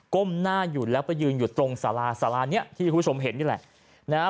้มหน้าอยู่แล้วไปยืนอยู่ตรงสาราสารานี้ที่คุณผู้ชมเห็นนี่แหละนะฮะ